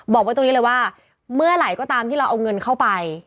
บอกไว้ตรงนี้เลยว่าเมื่อไหร่ก็ตามที่เราเอาเงินเข้าไป